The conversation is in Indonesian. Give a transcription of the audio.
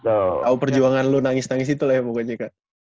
tau perjuangan lo nangis nangis itu lah ya pokoknya kak